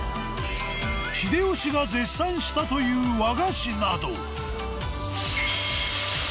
秀吉が絶賛したという和菓子など。